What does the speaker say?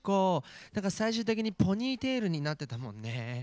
何か最終的にポニーテールになってたもんね。